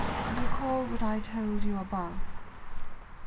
Recall what I told you above.